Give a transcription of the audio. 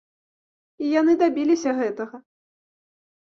І яны дабіліся гэтага.